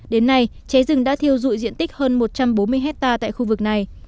đến nay cháy rừng đã thiêu dụi diện tích hơn một trăm bốn mươi hectare tại khu vực này